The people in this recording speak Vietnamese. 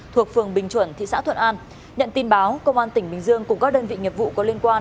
thuộc phường bình chuẩn thị xã thuận an nhận tin báo công an tỉnh bình dương cùng các đơn vị nghiệp vụ có liên quan